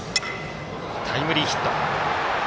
タイムリーヒット。